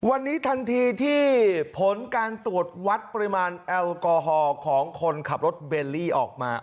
วันนี้ทันทีที่ผลการตรวจวัดปริมาณแอลกอฮอล์ของคนขับรถเบลลี่ออกมา